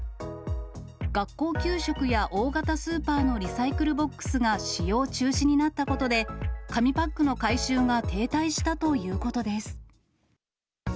学校給食や大型スーパーのリサイクルボックスが使用中止になったことで、紙パックの回収が停滞したということです。